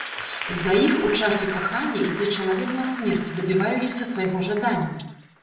За іх у часе кахання ідзе чалавек на смерць, дабіваючыся свайго жадання.